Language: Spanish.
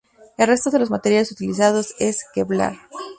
El resto de los materiales utilizados es Kevlar.